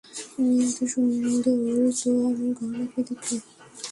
মেয়ে এতো সুন্দর তো আমার গহনা কে দেখবে!